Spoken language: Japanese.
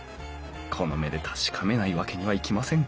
この目で確かめないわけにはいきません